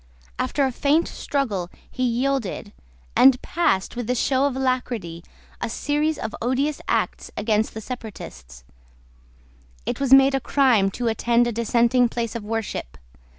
After a faint struggle he yielded, and passed, with the show of alacrity, a series of odious acts against the separatists. It was made a crime to attend a dissenting place of worship.